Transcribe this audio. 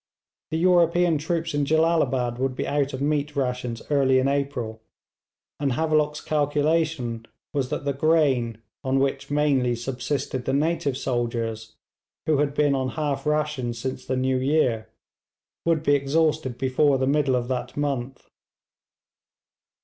The European troops in Jellalabad would be out of meat rations early in April, and Havelock's calculation was that the grain, on which mainly subsisted the native soldiers, who had been on half rations since the new year, would be exhausted before the middle of that month.